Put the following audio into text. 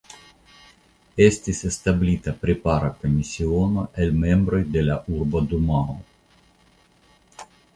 Estis establita prepara komisiono el membroj de la urba dumao.